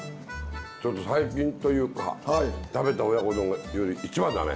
ちょっと最近というか食べた親子丼より一番だね。